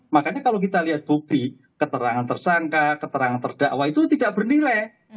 makanya kalau kita lihat bukti keterangan tersangka keterangan terdakwa itu tidak bernilai